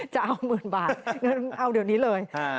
จะเอา๑๐๐๐๐บาทเอาเดี๋ยวนี้เลย